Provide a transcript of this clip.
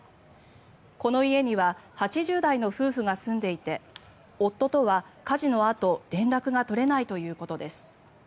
この家には８０代の夫婦が住んでいて夫とは火事のあと連絡が取れないということです。